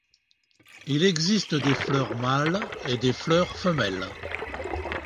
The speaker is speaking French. Il existe des fleurs mâles et des fleurs femelles.